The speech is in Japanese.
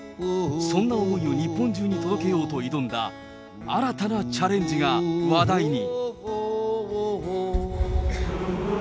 そんな思いを日本中に届けようと挑んだ新たなチャレンジが話題に。